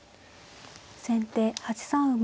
先手８三馬。